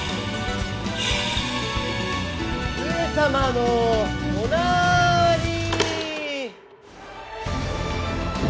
上様のおなーりー！